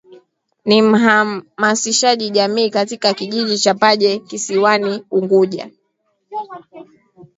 Ni mhamasishaji jamii katika Kijiji cha Paje kisiwani Unguja